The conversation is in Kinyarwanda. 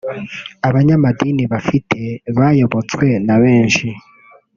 Abanyamadini bafite bayobotswe na benshi